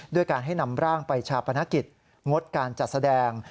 ด้วยการให้นำร่างไปชาปนกิจงดการจัดแสดง